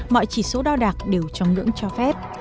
mọi chỉ số đao đạc đều trong lưỡng cho phép